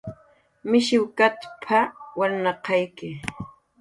"Mishiwkatap"" walnaqayki"